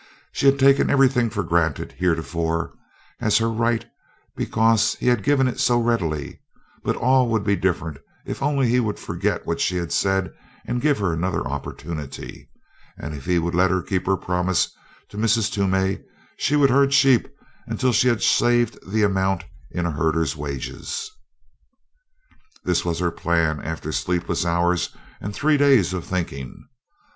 She had taken everything for granted heretofore, as her right because he had given it so readily, but all would be different if only he would forget what she had said and give her another opportunity, and if he would let her keep her promise to Mrs. Toomey she would herd sheep until she had saved the amount in a herder's wages. This was her plan after sleepless hours and three days of thinking.